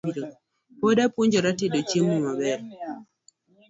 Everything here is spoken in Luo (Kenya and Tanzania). Pod apuonjora tedo chiemo maber